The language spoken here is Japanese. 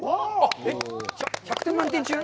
えっ、１００点満点中！？